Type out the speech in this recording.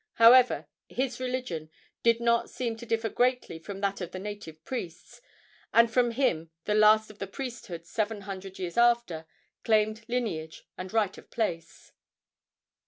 However, his religion did not seem to differ greatly from that of the native priests, and from him the last of the priesthood, seven hundred years after, claimed lineage and right of place.